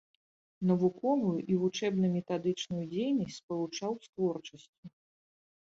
Навуковую і вучэбна-метадычную дзейнасць спалучаў з творчасцю.